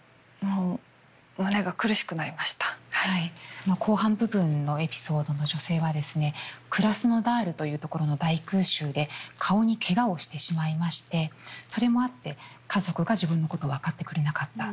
その後半部分のエピソードの女性はですねクラスノダールという所の大空襲で顔にけがをしてしまいましてそれもあって家族が自分のことを分かってくれなかった。